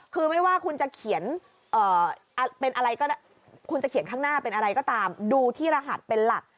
คือไม่ว่าคุณจะเขียนข้างหน้าเป็นอะไรก็ตามดูที่รหัสเป็นหลัก